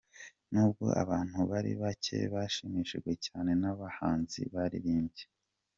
N'ubwo abantu bari bacye bashimishijwe cyane n'abahanzi baririmbye.